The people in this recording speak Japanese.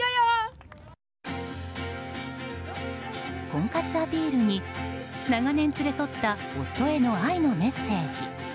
婚活アピールに長年連れ添った夫への愛のメッセージ。